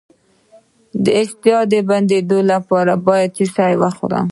د اشتها د بندیدو لپاره باید څه شی وخورم؟